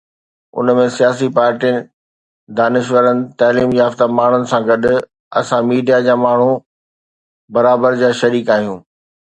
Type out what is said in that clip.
ان ۾ سياسي پارٽين، دانشورن، تعليم يافته ماڻهن سان گڏ اسان ميڊيا جا ماڻهو برابر جا شريڪ آهيون.